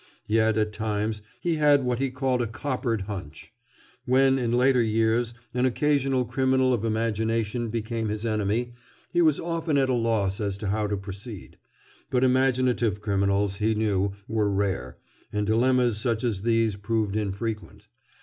Yet at times he had what he called a "coppered hunch." When, in later years, an occasional criminal of imagination became his enemy, he was often at a loss as to how to proceed. But imaginative criminals, he knew, were rare, and dilemmas such as these proved infrequent.